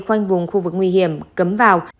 khoanh vùng khu vực nguy hiểm cấm vào